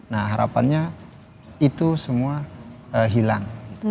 nah harapannya itu semua hilang